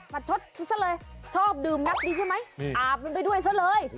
ชดซะเลยชอบดื่มนักดีใช่ไหมอาบมันไปด้วยซะเลย